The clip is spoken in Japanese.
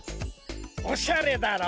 おしゃれだろ？